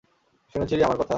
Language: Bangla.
শুনেছিলি আমার কথা?